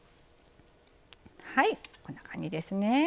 はいこんな感じですね。